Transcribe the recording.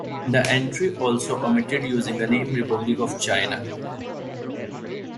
The entry also omitted using the name "Republic of China".